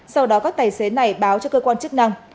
sau đó các tài xế này báo cho cơ quan chức năng